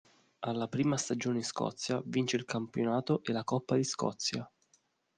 Alla prima stagione in Scozia vince il campionato e la Coppa di Scozia.